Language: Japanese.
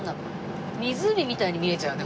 湖みたいに見えちゃうね